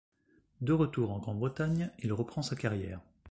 De retour en Grande-Bretagne, il reprend sa carrière.